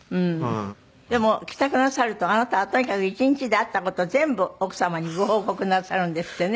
でも帰宅なさるとあなたはとにかく１日であった事を全部奥様にご報告なさるんですってね。